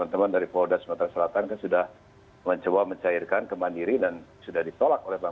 tidak hampir permasalahan